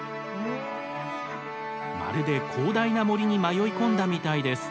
まるで広大な森に迷い込んだみたいです。